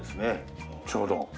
ちょうど。